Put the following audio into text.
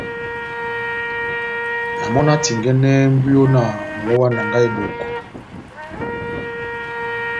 Na mɔ́ na tingɛnɛhɛ mbwiyo na momó wa Nanga-Eboko.